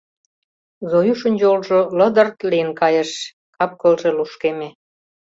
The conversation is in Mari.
Зоюшын йолжо лыдырт лийын кайыш, кап-кылже лушкеме...